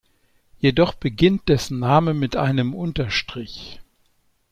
Jedoch beginnt dessen Name mit einem Unterstrich.